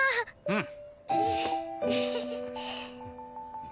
うん？